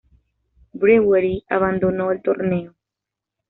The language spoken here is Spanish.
Brewery abandonó el torneo.